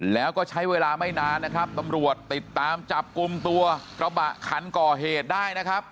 แล้วก็ใช้เวลาไม่นานนะครับตำรวจติดตามจับกลุ่มตัวกระบะคันก่อเหตุได้นะครับ